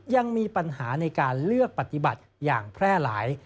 ยังมีปัญหาในการเลือกปฏิบัติอย่างแพร่หลาย